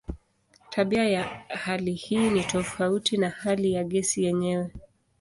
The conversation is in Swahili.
Tabia ya hali hii ni tofauti na hali ya gesi yenyewe.